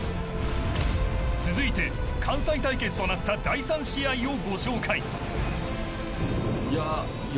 続いて、関西対決となった第３試合をご紹介。